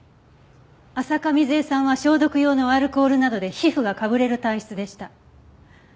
浅香水絵さんは消毒用のアルコールなどで皮膚がかぶれる体質でした。